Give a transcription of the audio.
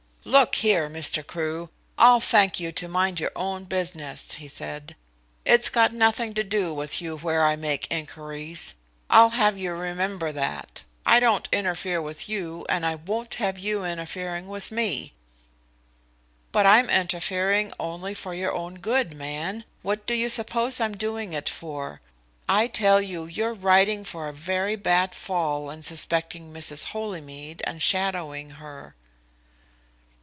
"Look here, Mr. Crewe, I'll thank you to mind your own business," he said. "It's got nothing to do with you where I make inquiries. I'll have you remember that! I don't interfere with you, and I won't have you interfering with me." "But I'm interfering only for your own good, man! What do you suppose I'm doing it for? I tell you you're riding for a very bad fall in suspecting Mrs. Holymead and shadowing her."